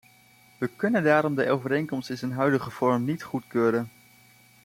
We kunnen daarom de overeenkomst in zijn huidige vorm niet goedkeuren.